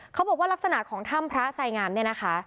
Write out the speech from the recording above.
เขาบอกว่าลักษณะของท่ำพระใสงามนะคะ